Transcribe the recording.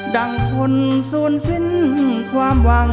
ั่งคนสวนสิ้นความหวัง